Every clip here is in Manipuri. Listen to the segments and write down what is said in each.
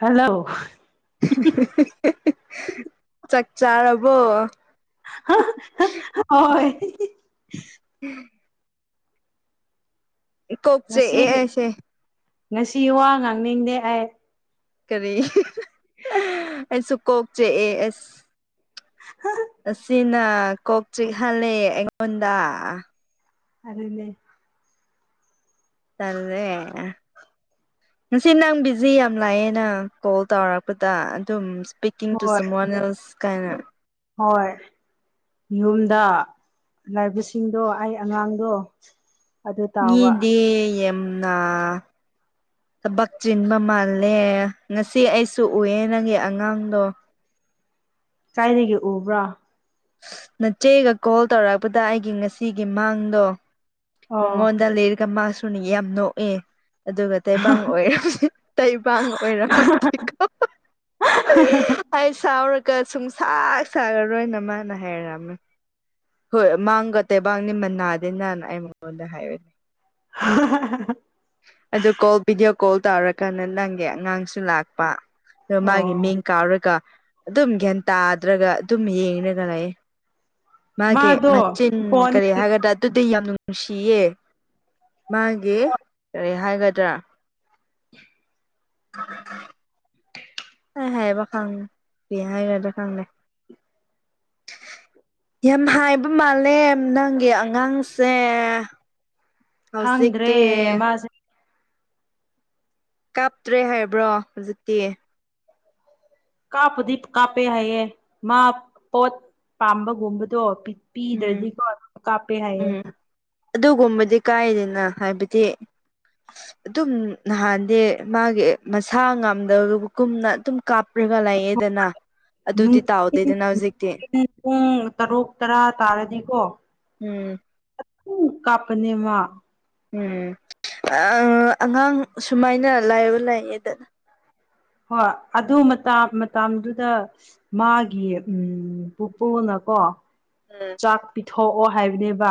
ꯍꯜꯂꯣ [inaudible] ꯆꯥꯛ ꯆꯥꯔꯕꯣ ꯍꯣꯏ ꯎꯝ ꯀꯣꯛꯣꯛꯁꯦ ꯉꯁꯤ ꯑꯦꯁꯦ ꯉꯁꯤ ꯋꯥ ꯉꯥꯡꯅꯤꯡꯗꯦ ꯑꯩ ꯀꯔꯤ ꯑꯩꯁꯨ ꯀꯣꯛ ꯆꯑ ꯑꯁ ꯑꯁꯤꯅ ꯀꯣꯛ ꯆꯤꯛꯍꯂꯦ ꯑꯩꯉꯣꯟꯗ ꯑꯗꯨꯗꯅꯦꯦ ꯆꯜꯦ ꯉꯁꯤ ꯅꯪ ꯕꯤꯖꯤ ꯌꯥꯝ ꯂꯥꯛꯑꯦꯅ ꯀꯣꯜ ꯇꯧꯔꯛꯄꯗ ꯑꯗꯨꯝ ꯋꯩ ꯇꯨ ꯁ ꯍꯣꯏ ꯃꯣꯜꯁ ꯀꯥꯏꯅ ꯍꯣꯏ ꯌꯌꯨꯝꯗ ꯂꯥꯏꯕꯁꯤꯡꯗꯣ ꯑꯩ ꯑꯉꯥꯡꯗꯣ ꯑꯗꯨ ꯇꯥꯎꯕ ꯗꯦ ꯌꯦꯝꯅꯥ ꯊꯕꯛ ꯆꯤꯟꯕ ꯃꯥꯜꯂꯦ ꯉꯁꯤ ꯑꯩꯁꯨ ꯎꯑꯦ ꯅꯪꯒꯤ ꯑꯉꯥꯡꯗꯣ ꯀꯥꯏꯒꯦ ꯎꯕ꯭ꯔꯥ ꯅꯆꯦꯒ ꯀꯣꯜ ꯇꯧꯔꯛꯄꯗ ꯑꯩꯒꯤ ꯉꯁꯤꯒꯤ ꯃꯥꯡꯗꯣ ꯑꯣ ꯃꯉꯣꯟꯗ ꯂꯩꯔꯒ ꯃꯥꯁꯨꯅꯤ ꯌꯥꯝ ꯅꯣꯛꯏꯦ ꯑꯗꯨꯒ ꯇꯩꯕꯡ ꯑꯣꯏꯔꯝ ꯇꯩꯕꯡ ꯑꯣꯏꯔꯝꯃꯗꯤꯀꯣ ꯑꯩ ꯁꯥꯎꯔꯒ ꯁꯨꯡꯁꯥꯛ ꯁꯥꯒꯔꯣꯏꯅ ꯃꯥꯅ ꯍꯩꯔꯝꯃꯤ ꯍꯣꯏ ꯃꯥꯡꯒ ꯇꯩꯕꯥꯡꯅꯤ ꯃꯅꯥꯗꯦꯅꯅ ꯑꯩ ꯃꯉꯣꯟꯗ ꯍꯥꯏꯌꯒ [inaudible] ꯑꯗꯨ ꯀꯣꯜ ꯚꯤꯗꯤꯑꯣ ꯀꯣꯜ ꯇꯧꯔꯀꯥꯟꯗ ꯅꯪꯒꯤ ꯑꯉꯥꯡꯁꯨ ꯂꯥꯛꯄ ꯑ ꯃꯥꯒꯤ ꯑꯣ ꯃꯤꯡ ꯀꯥꯔꯒ ꯑꯗꯨꯝ ꯒ꯭ꯌꯥꯟ ꯇꯥꯗ꯭ꯔꯒ ꯑꯗꯨꯝ ꯌꯦꯡꯒ ꯂꯩꯌꯦ ꯃꯥꯒꯤ ꯃꯥꯗꯣ ꯃꯆꯤꯟ ꯀꯔꯤ ꯐꯣꯟꯗꯒꯤ ꯍꯥꯏꯒꯗ꯭ꯔꯥ ꯑꯗꯨꯗꯤ ꯌꯥꯝ ꯅꯨꯡꯁꯤꯌꯦ ꯃꯥꯒꯤ ꯀꯔꯤ ꯍꯥꯏꯒꯗ꯭ꯔꯥ [inaudible] [inaudible] ꯑ ꯍꯥꯏꯕ ꯈꯪ ꯄ ꯍꯥꯏꯔꯗ ꯈꯪꯗꯦ ꯌꯥꯝ ꯍꯥꯏꯕ ꯃꯥꯂꯦ ꯅꯪꯒꯤ ꯑꯉꯥꯡꯁꯦ ꯍꯧꯖꯤꯛꯇꯤ ꯈꯥꯡꯗ꯭ꯔꯦ ꯃꯥꯁꯦ ꯀꯥꯞꯇ꯭ꯔꯦ ꯍꯥꯏꯕ꯭ꯔꯣ ꯍꯧꯖꯤꯛꯇꯤ ꯀꯥꯞꯄꯨꯗꯤ ꯀꯥꯞꯄꯦ ꯍꯥꯏꯌꯦꯦ ꯃꯥ ꯄꯣꯠ ꯄꯥꯝꯕꯒꯨꯝꯕꯗꯣ ꯄꯤ ꯎꯝ ꯏꯗꯔꯖꯤ ꯀꯔ ꯀꯥꯞꯄꯦ ꯍꯥꯏꯌꯦ ꯎꯝ ꯑꯗꯨꯒꯨꯝꯕꯗꯤ ꯀꯥꯏꯗꯅ ꯍꯥꯏꯕꯗꯤ ꯑꯗꯨꯝ ꯅꯍꯥꯟꯗꯤ ꯃꯥꯒꯤ ꯃꯁꯥ ꯉꯝꯗꯕ ꯀꯨꯝꯅ ꯑꯗꯨꯝ ꯀꯥꯞ ꯇꯥꯎꯗꯦꯗꯅ ꯍꯧꯖꯤꯛꯇꯤ ꯇꯔꯣ ꯇꯔꯥ [unintelligible] ꯇꯥꯔꯦꯗꯤꯀꯣ ꯎꯝ ꯎꯝ ꯀꯥꯄꯅꯦꯃ ꯎꯝ ꯑꯉꯥꯡ ꯁꯨꯃꯥꯏꯅ ꯂꯥꯏꯕ ꯂꯥꯛꯌꯦꯗꯅ ꯍꯣꯏ ꯑꯗꯨ ꯃꯇꯝꯗꯨꯗ ꯃꯥꯒꯤ ꯎ ꯄꯨꯄꯨꯅ ꯀꯣ ꯎꯝ ꯆꯥꯛ ꯄꯤꯊꯣꯛꯑꯣ ꯍꯥꯏꯕꯅꯦꯕ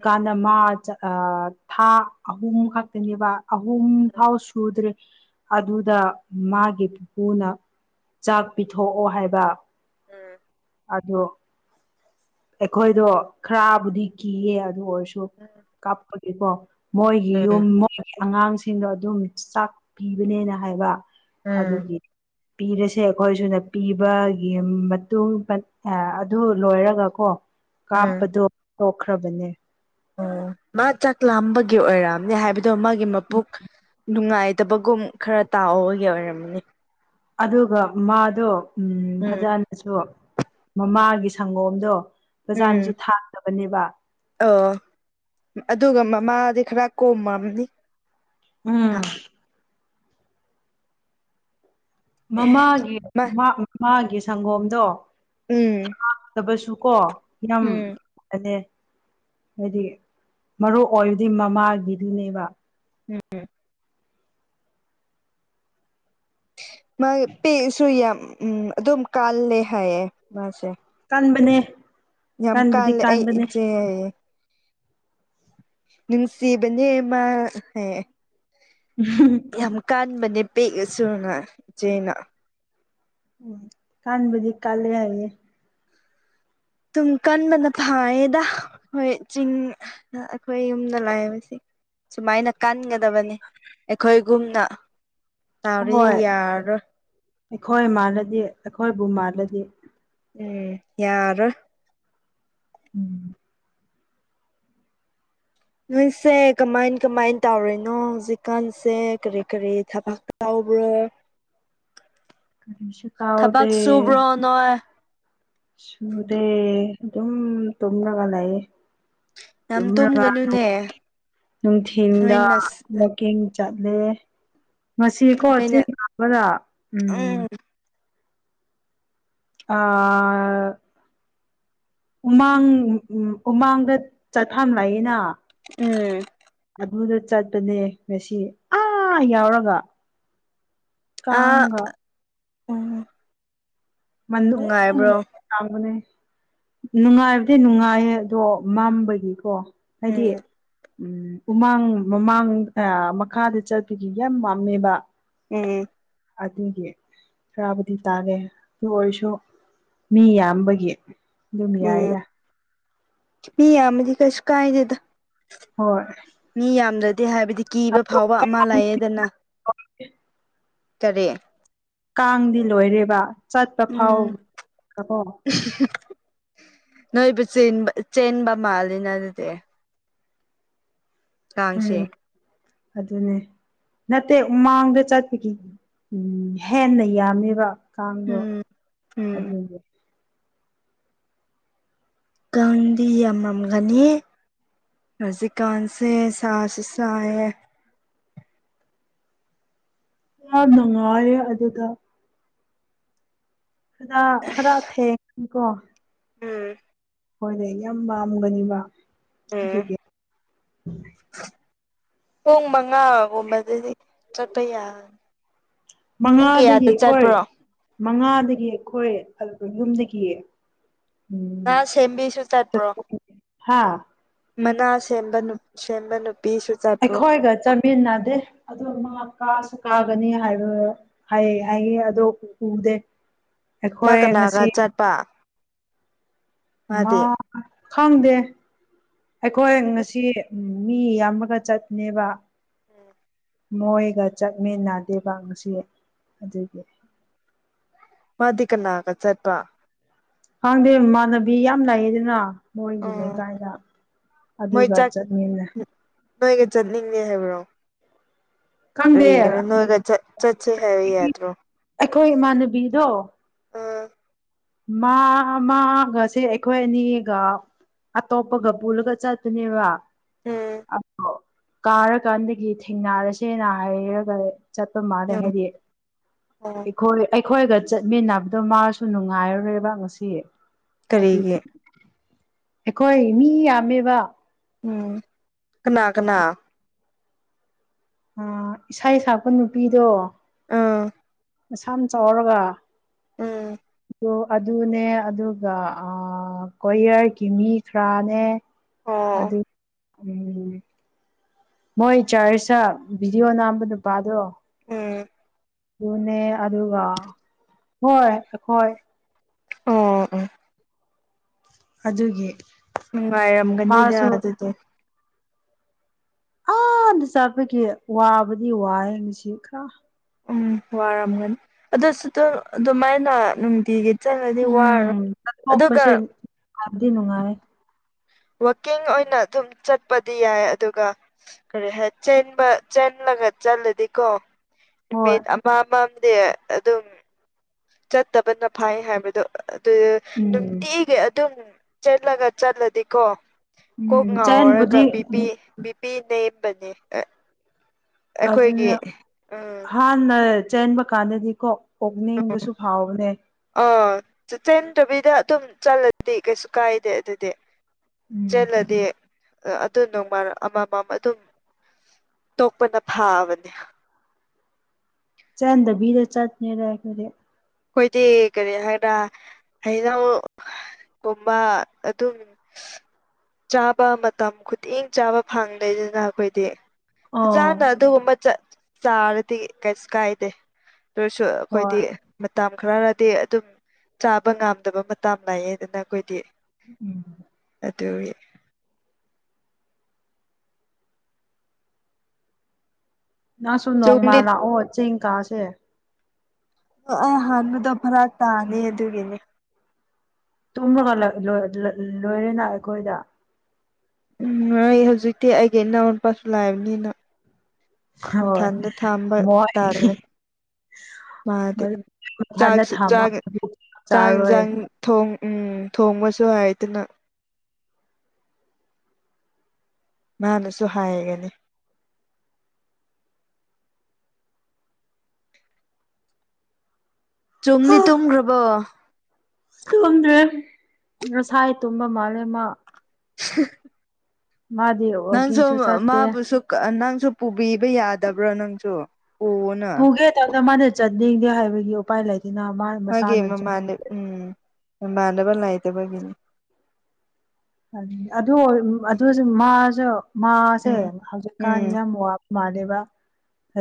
ꯎꯝ ꯃꯥ ꯊꯥ ꯑꯍꯨꯝ ꯈꯛꯇꯅꯦꯕ ꯑꯍꯨꯝ ꯐꯥꯎ ꯁꯨꯗ꯭ꯔꯦ ꯑꯗꯨꯗ ꯃꯥꯒꯤ ꯄꯨꯄꯨꯅ ꯆꯥꯛ ꯄꯤꯊꯣꯛꯑꯣ ꯍꯥꯏꯕ ꯑꯗꯣ ꯑꯩꯈꯣꯏꯗꯣ ꯈꯔꯕꯨꯗꯤ ꯀꯤꯌꯦ ꯑꯗꯨ ꯑꯣꯏꯔꯁꯨ ꯎꯝ ꯀꯥꯦꯀꯣ ꯃꯣꯏꯒꯤ ꯎꯝ ꯌꯨꯝ ꯑꯉꯥꯡꯁꯤꯡꯗꯣ ꯑꯗꯨꯝ ꯆꯥꯛ ꯄꯤꯕꯅꯦꯅ ꯍꯥꯏꯕ ꯎꯝ ꯑꯗꯨꯒꯤ ꯄꯤꯔꯁꯦ ꯑꯩꯈꯣꯏ ꯁꯅ ꯄꯤꯕꯒꯤ ꯃꯇꯨꯡ ꯑꯗꯨ ꯂꯣꯏꯔꯒ ꯍꯣ ꯎꯝ ꯎꯝ ꯀꯥꯞꯄꯗꯣ ꯇꯣꯛꯈ꯭ꯔꯕꯅꯦ ꯑꯣ ꯃꯥ ꯆꯥꯛ ꯂꯥꯝꯕꯒꯤ ꯑꯣꯏꯔꯝꯅꯦ ꯍꯥꯏꯕꯗꯣ ꯃꯥꯒꯤ ꯃꯄꯣꯛ ꯅꯨꯡꯉꯥꯏ ꯠꯇꯕꯒꯨꯝ ꯈꯔ ꯇꯥꯕꯒꯤ ꯑꯣꯏꯔꯝꯃꯅꯤ ꯑꯗꯨꯒ ꯃꯥꯗꯣ ꯎ ꯎꯝ ꯐꯖꯅꯁꯨ ꯃꯃꯥꯒꯤ ꯁꯪꯒꯣꯝꯗꯣ ꯎꯝ ꯄꯖꯥꯅꯁꯨ ꯊꯥꯗꯕꯅꯦꯕ ꯑꯣ ꯑꯗꯨꯒ ꯃꯃꯥꯗꯤ ꯈꯔ ꯀꯣꯝꯃꯝꯅꯤ ꯎꯝ ꯃꯃꯥꯒꯤ ꯃꯥ ꯃꯃꯥꯒꯤ ꯁꯪꯒꯣꯝꯗꯣ ꯎꯝ ꯇꯕꯁꯨ ꯀꯣ ꯌꯥꯝ ꯎꯝ ꯐ ꯐꯅꯦ ꯍꯥꯏꯗꯤ ꯃꯔꯨ ꯑꯣꯏꯕꯗꯤ ꯃꯃꯥꯒꯤꯗꯨꯅꯦꯕ ꯎꯝ ꯃꯥꯒꯤ ꯄꯦꯛꯁꯨ ꯌꯥꯝ ꯎꯝ ꯑꯗꯨꯝ ꯀꯥꯜꯂꯦ ꯍꯥꯏꯌꯦ ꯃꯥꯁꯦ ꯄꯟꯕꯅꯦ ꯌꯥꯝ ꯀꯜ ꯑꯩꯏꯌꯦ ꯟꯁꯤ ꯅꯤꯃ ꯍ ꯎꯝ ꯅꯦ ꯄꯦꯁꯨꯖꯅ ꯎ ꯀꯥꯟꯕꯗꯤ ꯀꯥꯂ ꯍꯥꯏꯦ ꯇꯨꯝ ꯀꯟꯕꯅ ꯐꯥꯏꯌꯦꯗ ꯑꯩꯈꯣꯏ ꯆꯤꯡ ꯑꯩꯈꯣꯏ ꯌꯨꯝꯗ ꯂꯥꯛꯑꯕꯕꯁꯤ ꯁꯨꯃꯥꯏꯅ ꯀꯟꯒꯗꯕꯅꯤ ꯑꯩꯈꯣꯏꯒꯨꯝꯅ ꯇꯥꯔꯤ ꯍꯣꯏ ꯌꯥꯔ ꯑꯩꯈꯣꯏ ꯃꯥꯜꯂꯗꯤ ꯑꯩꯈꯣꯏꯕꯨ ꯃꯥꯜꯂꯗꯤ ꯎꯝ ꯌꯥꯔ ꯎꯝ ꯅꯣꯏꯁꯦ ꯀꯃꯥꯏ ꯀꯃꯥꯏꯅ ꯇꯧꯔꯤꯅꯣ ꯍꯧꯖꯤꯛꯀꯥꯟꯁꯦ ꯀꯔꯤ ꯀꯔꯤ ꯊꯕꯛ ꯇꯧ ꯭ꯔꯣ ꯀꯔꯤꯁꯨ ꯇꯥꯎꯗꯦ ꯊꯕꯥꯥꯛ ꯆꯣ ꯕ꯭ꯔꯣ ꯅꯣꯏ ꯁꯨꯗꯦ ꯑꯗꯨꯝ ꯇꯣꯨꯝꯅꯒꯂꯏ ꯒ ꯌꯥꯝ ꯇꯨꯝꯒꯅꯨꯅꯦ ꯅꯣꯏꯅ ꯅꯨꯡꯊꯤꯟꯗꯦꯡ ꯆꯠꯂꯦ ꯉꯁꯤꯀꯣ ꯅꯣꯏꯅ ꯆꯦꯡ ꯀꯥꯕꯗ ꯎꯝ ꯑ ꯎꯃꯥꯡ ꯎꯃꯥꯡꯗ ꯆꯠꯊꯝꯂꯛꯏꯅ ꯎꯝ ꯑꯗꯨꯗ ꯆꯠꯄꯅꯦ ꯉꯁꯤ ꯑꯥ ꯌꯥꯎꯔꯒ ꯑꯥ ꯀꯒꯥꯥ ꯎꯝ ꯃꯟ ꯅꯨꯡꯉꯥꯏꯕ꯭ꯔꯣ ꯀꯃꯅꯦ ꯅꯨꯡꯉꯥꯏꯕꯗꯤ ꯅꯨꯡꯉꯥꯏꯌꯦ ꯑꯗꯣ ꯃꯝꯕꯒꯤꯀꯣ ꯍꯥꯏꯗꯤ ꯎꯝ ꯎꯝ ꯎꯃꯥꯡ ꯃꯃꯥꯡ ꯃꯈꯥꯗ ꯆꯠꯄꯒꯤ ꯌꯥꯝ ꯄꯥꯝꯃꯦꯕ ꯎꯝ ꯑꯗꯨꯒꯤ ꯆꯔꯕꯨꯗꯤ ꯇꯥꯒꯦ ꯑꯗꯨ ꯑꯣꯏꯔꯁꯨ ꯃꯤ ꯌꯥꯝꯕꯒꯤ ꯑꯗꯨꯝ ꯌꯥꯏꯗ ꯄꯤ ꯌꯥ ꯃꯗꯤ ꯀꯁ ꯀꯥꯏꯗꯗ ꯍꯣꯏ ꯃꯤ ꯌꯥꯝꯗ꯭ꯔꯗꯦ ꯍꯥꯏꯕꯗꯤ ꯀꯤꯕ ꯑꯗꯣ ꯐꯥꯎꯕ ꯑꯃ ꯂꯩꯌꯦꯦꯗꯅ ꯇꯔꯦ ꯀꯥꯡꯗꯤ ꯂꯣꯏꯔꯦꯕ ꯆꯠꯄ ꯎꯝ ꯐꯥꯎꯣ ꯅꯣꯏꯕꯨ ꯆꯦꯟꯕ ꯆꯦꯟꯕ ꯃꯥꯜꯂꯤꯅ ꯑꯗꯨꯗꯤ ꯀꯥꯡꯁꯦ ꯎꯝ ꯑꯗꯨꯅꯦ ꯅꯠꯇꯦꯃꯥꯡꯗ ꯆꯠꯄꯒꯤ ꯍꯦꯟꯅ ꯌꯥꯝꯃꯦꯕ ꯀꯥꯡꯗꯣ ꯎꯝ ꯎꯝ ꯑꯗꯨꯒꯤ ꯀꯪꯗꯤ ꯌꯥꯝꯃꯝꯒꯅꯤ ꯔꯖꯤ ꯀꯥꯟꯁꯦ ꯁꯥꯥꯁ ꯁꯥꯦ ꯑ ꯅꯨꯡꯉꯔꯦ ꯑꯗꯨ ꯑꯗꯨꯗ ꯈꯔ ꯈꯔ ꯊꯦꯡꯀꯣ ꯎꯝ ꯍꯣꯏꯅꯦ ꯌꯥꯝ ꯄꯥꯝꯒꯅꯤꯕ ꯎꯝ ꯑꯗꯨꯒꯤ ꯄꯨꯡ ꯃꯉꯥꯒꯨꯝꯕꯗꯗꯤ ꯆꯠꯄ ꯌꯥꯒꯅꯤ ꯃꯉꯥꯗꯒꯤ ꯑꯩꯈꯣꯏ ꯃꯉꯥ ꯗꯒꯤꯈꯣꯏꯦ ꯑꯗꯨꯒ ꯌꯨꯝꯗꯒꯤ ꯉ ꯁꯦꯝꯕꯤꯁꯨ ꯆꯠꯄ꯭ꯔꯣ ꯍꯥꯥ ꯃꯅꯥ ꯁꯦꯝꯕ ꯁꯦꯝꯕ ꯅꯨꯄꯤꯁꯨ ꯆꯠꯄ꯭ꯔꯣ ꯄꯤꯟꯅꯗꯦ ꯑꯗ ꯃꯥ ꯀꯥꯁꯨ ꯀꯥꯒꯅꯤ ꯍꯥꯏꯕ ꯍꯥꯏ ꯍꯥꯏꯌꯦ ꯑꯗꯣ ꯎ ꯗꯦ ꯃꯥ ꯀꯅꯥꯒ ꯆꯠꯄ ꯃꯥ ꯃꯥꯗꯤ ꯈꯪꯗꯦ ꯑꯩꯈꯣꯏ ꯉꯁꯤ ꯎꯝ ꯃꯤ ꯌꯥꯝꯃꯒ ꯆꯠꯅꯦꯕ ꯎꯝ ꯃꯣꯏꯒ ꯆꯠꯃꯤꯟꯅꯗꯦꯕ ꯉꯁꯤ ꯑꯗꯨꯒꯤ ꯃꯥꯗꯤꯀꯅꯥ ꯀ ꯆꯠꯄ ꯈꯪꯗꯦ ꯏꯃꯥꯟꯅꯕꯤ ꯌꯥꯝ ꯂꯥꯛꯑ ꯑꯗꯨꯅ ꯃꯣꯏꯒꯤ ꯎꯝ ꯂꯩꯀꯥꯏꯗ ꯃꯣꯏ ꯑꯗꯨꯒ ꯆꯥꯛ ꯆꯠꯃꯤꯟꯅꯩ ꯅꯣꯏꯒ ꯆꯠꯅꯤꯡꯉꯦ ꯍꯥꯏꯕ꯭ꯔꯣ ꯈꯪꯗꯦ ꯀꯒ ꯅꯅꯨꯡ ꯍꯒ ꯆ ꯆꯆꯦ ꯍꯥꯏ ꯌꯥꯠꯇ꯭ꯔꯣ ꯑꯩꯈꯣꯏ ꯏꯃꯥꯟꯅꯕꯤꯗꯣ ꯃꯥ ꯃꯥꯒꯁꯦ ꯑꯩꯈꯣꯏ ꯑꯅꯤꯒ ꯑꯇꯣꯞꯄꯒ ꯄꯨꯜꯂꯒ ꯆꯠꯇꯅꯦꯕ ꯎꯝ ꯑꯗꯣ ꯀꯥꯔꯀꯥꯟꯗꯒꯤ ꯊꯦꯡꯅꯔꯁꯦꯅ ꯍꯥꯏꯔꯒ ꯆꯠꯄ ꯃꯥꯜꯂꯦ ꯌꯥꯝ ꯍꯥꯏꯗꯤ ꯑꯣ ꯑꯩꯈꯣꯏ ꯑꯩꯈꯣꯏꯒ ꯆꯠꯃꯤꯟꯅꯕꯗꯣ ꯃꯥꯔꯁꯨ ꯅꯨꯡ ꯉꯥꯏꯔꯔꯣꯏꯦꯕ ꯉꯁꯤ ꯀꯔꯤꯒꯤ ꯑꯗꯨꯗꯤ ꯑꯩꯈꯣꯏ ꯃꯤ ꯌꯥꯝꯃꯦꯕ ꯎꯝ ꯀꯅꯥ ꯀꯅꯥ ꯑ ꯏꯁꯩ ꯁꯛꯄ ꯅꯨꯄꯤꯗꯣ ꯑꯥ ꯃꯁꯥꯝ ꯆꯥꯎꯔꯒ ꯎꯝ ꯑꯗꯨꯅꯦ ꯑꯗꯨꯒ ꯀꯣꯌꯔꯒꯤ ꯃꯤ ꯈꯔꯅꯦ ꯑꯣ ꯑꯗ ꯎꯝ ꯃꯣꯏ ꯆꯥꯔꯁ ꯚꯗꯤꯑꯣ ꯅꯥꯝꯕ ꯅꯨꯄꯥꯗꯣ ꯎꯝ ꯑꯗꯨꯅꯦ ꯑꯗꯨꯒ ꯍꯣꯏ ꯑꯩꯈꯣꯏ ꯑꯣ ꯑ ꯑꯗꯨꯒꯤ ꯅꯨꯡꯉꯥꯏꯔꯝꯒꯅꯤꯗ ꯃꯥꯁꯨ ꯑꯗꯨꯗꯣ ꯑꯥꯗ ꯆꯥꯠꯄꯒꯤ ꯋꯥꯕꯗꯤ ꯋꯥꯌꯦꯦ ꯉꯁꯤ ꯈꯔ ꯎꯝ ꯋꯥꯔꯝꯒꯅꯤ ꯑꯗꯨꯁꯨ ꯑꯗꯨ ꯑꯗꯨꯃꯥꯏꯅ ꯅꯨꯡꯇꯤꯒꯤ ꯆꯠꯂꯗꯤ ꯋꯥꯔ ꯑꯗꯨꯒ ꯑꯗꯤ ꯅꯨꯡꯉꯥꯏ ꯋꯥꯋꯀꯤꯡ ꯑꯣꯏꯅ ꯑꯗꯨꯝ ꯆꯠꯄꯗꯤ ꯌꯥꯏ ꯑꯗꯨꯒ ꯀꯔꯤ ꯍꯥꯏ ꯆꯦꯟꯕ ꯆꯠꯂꯗꯤꯀꯣ ꯍꯣꯏ ꯅꯨꯃꯤꯠ ꯑꯃ ꯑꯃ ꯗꯗꯤ ꯑꯗꯨꯝ ꯆꯠꯇꯕꯅ ꯐꯩ ꯍꯥꯏꯕꯗꯣ ꯑꯗꯨ ꯎꯝ ꯅꯨꯡꯇꯤꯏꯒꯦ ꯑꯗꯨꯝ ꯆꯠꯂꯒ ꯆꯠꯂꯗꯤꯀꯣ ꯀꯣꯛ ꯎꯝ ꯉꯥꯎꯔꯒ ꯆꯦꯟꯕꯨꯗꯤ ꯎꯝ ꯕꯤꯄꯤ ꯕꯤꯄꯤ ꯅꯦꯝꯕꯅꯤ ꯑꯗꯨꯅ ꯍꯥꯥꯟ ꯅ ꯆꯟꯕ ꯀꯥꯟꯗꯗꯤ ꯀꯣ ꯑꯣꯣꯛꯅꯤꯡꯕꯁꯨ ꯐꯥꯎꯕꯅꯦ ꯑꯥ ꯆꯦꯟꯗꯕꯤꯗ ꯑꯗꯨꯝ ꯆꯠꯂꯗꯤ ꯀꯩꯁꯨ ꯀꯥꯏꯗꯦ ꯑꯗꯨꯗꯤ ꯎꯝ ꯆꯂꯗꯤ ꯑꯗꯨ ꯅꯣꯡꯃ ꯑꯃꯃꯝ ꯑꯗꯨꯝ ꯇꯣꯛꯄꯅ ꯐꯥꯕꯅꯤ ꯆꯗꯕꯤꯔ ꯆꯠꯅꯦꯔꯅꯗꯤ ꯑꯩꯈꯣꯏꯗꯤ ꯀꯔꯤ ꯍꯥꯏꯗ ꯑꯩꯅꯎ ꯀꯨꯝꯕ ꯑꯗꯨꯝ ꯆꯥꯕ ꯃꯇꯝ ꯈꯨꯗꯤꯡ ꯆꯥꯕ ꯐꯪꯗꯦꯗꯅ ꯑꯩꯈꯣꯏꯗꯤ ꯑꯥ ꯍꯖꯥꯟꯅ ꯑꯗꯨꯒꯨꯝꯕ ꯆꯥꯔꯗꯤ ꯀꯩꯁꯨ ꯀꯥꯏꯗꯦ ꯑꯗꯨꯔꯁꯨ ꯑꯩꯈꯣꯏꯗꯤ ꯍꯣꯏ ꯃꯇꯝ ꯈꯔꯔꯗꯤ ꯑꯗꯨꯝ ꯆꯥꯕ ꯉꯝꯗꯕ ꯃꯇꯝ ꯂꯥꯛꯑꯗꯅ ꯑꯩꯈꯣꯏꯗꯤ ꯎꯝ ꯇꯔꯤ ꯅꯪꯁꯨꯨꯝ ꯅꯣꯡꯃꯜ ꯆꯨꯝꯅꯤ ꯂꯥꯛꯑꯣ ꯆꯦꯡ ꯀꯥꯁꯦ ꯑ ꯍꯥꯟꯥꯟꯕꯗꯣ ꯐꯚꯔꯥ ꯇꯥꯅꯤ ꯑꯗꯨꯒꯤꯅꯦ ꯇꯨꯝꯃꯒ ꯂꯣꯏꯔꯦꯅ ꯑꯩꯈꯣꯏꯗ ꯎꯝ ꯑꯩ ꯍꯧꯖꯤꯛꯇꯤ ꯑꯩꯒꯤ ꯏꯅꯥꯎ ꯅꯨꯄꯥꯁꯨ ꯂꯥꯛꯑꯕꯅꯤꯅ ꯍꯣꯏ ꯃꯊꯟꯗ ꯊꯥꯝꯕ ꯃꯣꯏ ꯇꯥꯜꯔꯦ ꯃꯥꯗꯤ ꯃꯊꯟꯗ ꯆꯥꯛꯁꯨ ꯊꯝꯃ ꯆꯥꯛ ꯆꯥꯛ ꯆꯥꯔꯣꯏ ꯌꯦꯟꯁꯥꯡ ꯊꯣꯡ ꯎꯝ ꯊꯣꯡꯕꯁꯨ ꯍꯥꯏꯗꯅ ꯃꯥꯅꯁꯨ ꯍꯥꯏꯒꯅꯤ ꯆꯨꯝꯅꯤ ꯇꯨꯝꯈ꯭ꯔꯕ ꯇꯨꯝꯗ꯭ꯔꯦ ꯉꯁꯥꯏ ꯇꯨꯝꯕ ꯃꯥꯜꯂꯦ ꯃꯥ [inaudible] ꯃꯥꯗꯤ ꯅꯪꯁꯨ ꯋꯥꯛꯀꯤꯡꯁꯨ ꯆꯠꯇꯦ ꯃꯥꯕꯨꯁꯨ ꯅꯪꯁꯨ ꯄꯨꯕꯤꯕ ꯌꯥꯗꯕ꯭ꯔꯣ ꯅꯪꯁꯨ ꯄꯨꯅ ꯄꯨꯒꯦ ꯇꯅ ꯃꯥꯅ ꯆꯠꯅꯤꯡꯗꯦ ꯍꯥꯏꯕꯒꯤ ꯎꯄꯥꯏ ꯂꯩꯇꯦ ꯃꯥꯒꯤ ꯃꯃꯥꯟ ꯎꯝ ꯃꯃꯥꯟꯅꯕ ꯂꯥꯏꯇꯕꯒꯤꯅꯤ ꯑꯗꯨ ꯑꯗꯨ ꯑꯗꯨꯁꯨ ꯃꯥꯁꯨ ꯃꯥꯁꯦ ꯎꯝ ꯍꯧꯖꯤꯛꯀꯥꯟ ꯌꯥꯝ ꯋꯥꯕ ꯃꯥꯅꯦꯕ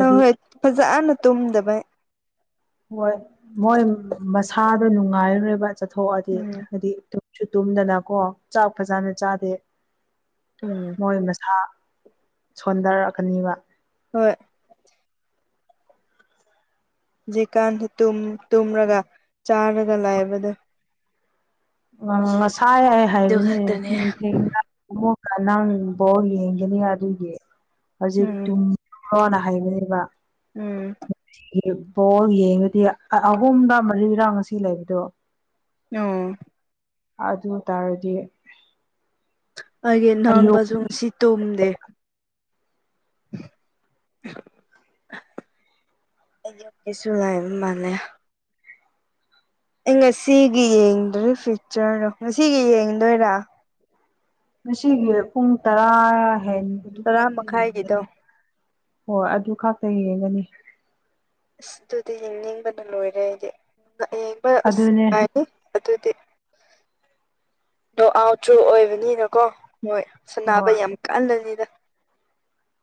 ꯑ ꯍꯣꯏ ꯐꯖꯛꯑꯅ ꯇꯨꯝꯗꯕ ꯍꯣꯏ ꯃꯣꯏ ꯃꯁꯥꯗꯣ ꯅꯨꯡꯉꯥꯏꯔꯦꯕ ꯆꯠꯊꯣꯛꯑꯗꯤ ꯎꯝ ꯍꯥꯏꯗꯤ ꯁꯨ ꯇꯨꯝꯗꯅꯀꯣ ꯆꯥꯛ ꯐꯖꯅ ꯆꯥꯗꯦ ꯎꯝ ꯃꯣꯏ ꯃꯁꯥ ꯁꯣꯟꯊꯔꯛꯀꯅꯤꯕ ꯍꯣꯏ ꯖꯤꯀꯥꯟꯗ ꯇꯨꯝꯔꯒ ꯆꯥꯔꯒ ꯂꯥꯏꯕꯗ ꯎ ꯉꯁꯥꯏ ꯌꯥ ꯑꯗꯨ ꯍꯥꯏꯕꯅꯦ ꯈꯛꯇꯅꯦ ꯅꯪꯕꯣ ꯌꯦꯡꯒꯅꯤ ꯑꯗꯨꯒꯤ ꯍꯧꯖꯤꯛ ꯎꯝ ꯇꯨꯡꯈ꯭ꯔꯣꯅ ꯍꯩꯕꯅꯦꯕ ꯎꯝ ꯕꯣꯜ ꯌꯦꯡꯉꯗꯤ ꯑꯍꯨꯝꯗ ꯃꯔꯤꯔꯥ ꯉꯁꯤ ꯂꯩꯕꯗꯣ ꯑꯣ ꯑꯗꯨ ꯑꯣꯏ ꯇꯥꯔꯗꯤ ꯑꯩꯒꯤ ꯑꯌꯨꯛ ꯏꯅꯥꯟꯕꯁꯨꯁꯤ ꯇꯨꯝꯗꯦ [inaudible] ꯑꯩ ꯀꯁꯨ ꯉꯥꯏ ꯃꯥꯅꯦ ꯑꯩ ꯉꯁꯤꯒꯤ ꯌꯦꯡꯗ꯭ꯔꯦ ꯐꯤꯌꯨꯆꯔꯗꯣ ꯉꯁꯤꯒꯤ ꯌꯦꯡꯗꯣꯏꯔꯥ ꯉꯁꯤꯒꯤ ꯄꯨꯡ ꯇꯔꯥ ꯍꯦꯟꯕꯗꯨ ꯇꯔꯥ ꯈꯛꯇ ꯃꯈꯥꯏꯒꯤꯗꯣ ꯌꯦꯒꯅꯤ ꯍꯣꯏ ꯑꯗꯨ ꯈꯛꯇ ꯌꯦꯡꯒꯅꯤ ꯑꯁ ꯑꯗꯨꯗꯤ ꯌꯦꯡꯅꯤꯡꯕꯅ ꯂꯣꯏꯔꯦ ꯑꯩꯗꯤ ꯌꯦꯡꯕ ꯑꯁ ꯑꯗꯨꯅꯦ ꯃꯥꯅꯤ ꯑꯗꯨ ꯑꯣ ꯑꯥꯎꯇ꯭ꯔꯨ ꯑꯣꯏꯕꯅꯤꯅꯀꯣ ꯍꯣꯏ ꯁꯅꯥꯕ ꯍꯣꯏ ꯌꯥꯝ ꯀꯥꯂꯅꯤꯗ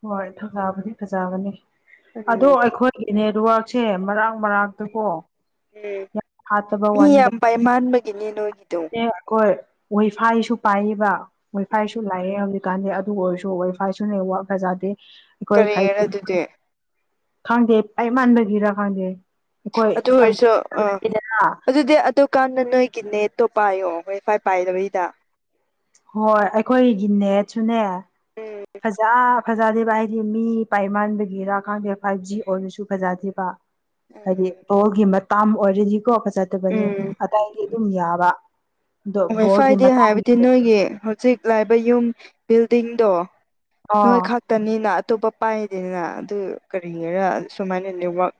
ꯍꯣꯏ ꯊꯧꯖꯕꯗꯤ ꯐꯖꯕꯅꯤ ꯑꯗꯣ ꯎꯝ ꯑꯩꯈꯣꯏꯒꯤꯅꯦ ꯍꯥꯛꯁꯦ ꯃꯔꯥꯡ ꯃꯔꯥꯡꯛꯇ ꯀꯣ ꯎꯝ ꯃꯤ ꯌꯥꯝ ꯄꯥꯏ ꯃꯥꯟꯕꯒꯤꯅꯤ ꯅꯣꯏ ꯑꯦ ꯑꯩꯈꯣꯏ ꯩꯐꯥꯏꯁꯨ ꯄꯥꯏꯌꯦꯕ ꯋꯩꯐꯥꯏꯁꯨ ꯎꯝ ꯂꯥꯛꯑꯦ ꯍꯧꯖꯤꯛ ꯀꯥꯟꯗꯦ ꯑꯗꯨ ꯑꯣꯏꯔꯁꯨ ꯋꯥꯏ ꯐꯥꯏꯁꯨꯅꯦ ꯋꯥ ꯐꯖꯗꯦ ꯀꯔꯤꯅ ꯑꯗꯨꯗꯤ ꯈꯥꯡꯗꯦ ꯑꯩ ꯃꯥꯟꯕꯒꯤꯔ ꯈꯪꯗꯦ ꯑꯩꯈꯣꯏ ꯑꯗꯨ ꯑꯣꯏꯔꯁꯨ ꯍꯧꯖꯤꯛ ꯑꯥ ꯑꯗꯨꯗꯤ ꯑꯗꯨꯀꯥꯟꯗ ꯅꯣꯏ ꯀꯤꯅꯦꯠꯇꯣ ꯄꯥꯏꯌꯣ ꯋꯥꯏꯐꯥꯏ ꯄꯥꯏꯗꯕꯩꯗ ꯍꯣꯏ ꯑꯩꯈꯣꯏꯒꯤꯅꯦꯁꯨꯅꯦ ꯎꯝ ꯐꯖꯥ ꯐꯖꯗꯦꯕ ꯍꯥꯏꯗꯤ ꯃꯤ ꯄꯥꯏꯃꯥꯟꯕꯒꯤꯔꯥꯛꯀꯥꯟꯗꯦ ꯐꯥꯏꯚ ꯖꯤ ꯑꯣꯏꯔꯁꯨ ꯐꯖꯗꯦꯕ ꯍꯥꯏꯗꯤ ꯇꯣꯜꯒꯤ ꯃꯇꯥ ꯑꯣꯏꯔꯗꯤꯀꯣ ꯈ ꯆꯠꯇꯕꯅꯤ ꯎꯝ ꯑꯗꯥꯏꯗꯤ ꯑꯗꯨꯝ ꯌꯥꯕ ꯑꯗꯣ ꯍꯣꯏ ꯕꯣꯜꯒꯤ ꯐ꯭ꯔꯥꯏꯗꯦ ꯃꯇꯥꯡꯒꯤ ꯍꯥꯏꯕꯗꯤ ꯑꯣꯏ ꯅꯣꯏꯒꯤ ꯍꯧꯖꯤꯛ ꯂꯥꯛꯕ ꯌꯨꯝ ꯕꯤꯜꯗꯤꯡꯗꯣ ꯅꯣꯏ ꯑꯥ ꯈꯥꯛꯇꯅꯤꯅ ꯑꯇꯣꯞꯄ ꯄꯥꯏ ꯅ ꯑꯗꯨ ꯀꯔꯤꯒꯤꯔ ꯁꯨꯃꯥꯏꯅ ꯅꯦꯠꯋꯛ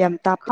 ꯌꯥꯝ ꯇꯥꯞꯄ